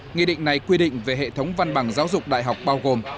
nghị định này quy định về hệ thống văn bằng giáo dục đại học bao gồm